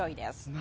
何？